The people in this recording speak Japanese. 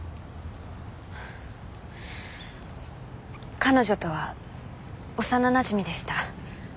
彼女とは幼なじみでした。